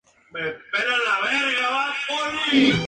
La siguiente tabla muestra algunas de ellas, pero hay más.